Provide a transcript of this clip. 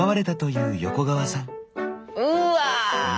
うわ！